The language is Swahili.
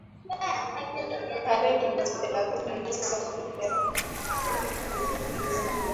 karibu mita thelathini Na sio peke yake